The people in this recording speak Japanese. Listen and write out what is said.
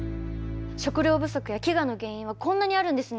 食料不足や飢餓の原因はこんなにあるんですね。